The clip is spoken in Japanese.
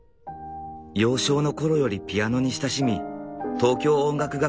幼少の頃よりピアノに親しみ東京音楽